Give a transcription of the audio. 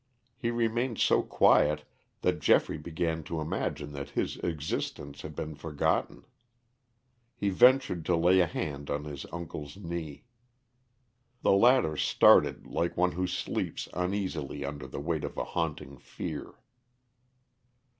He remained so quiet that Geoffrey began to imagine that his existence had been forgotten. He ventured to lay a hand on his uncle's knee. The latter started like one who sleeps uneasily under the weight of a haunting fear.